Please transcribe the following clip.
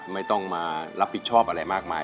ไม่ต้องมารับผิดชอบอะไรมากมาย